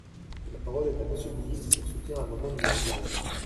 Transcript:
La parole est à Monsieur le ministre, pour soutenir l’amendement numéro quarante.